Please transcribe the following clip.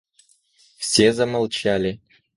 Все замолчали.